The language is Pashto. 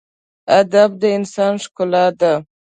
ادب د انسان ښکلا ده.